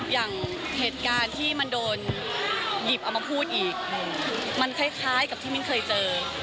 อย่างเหตุการณ์ที่มันโดนหยิบเอามาพูดอีกมันคล้ายกับที่มิ้นเคยเจอ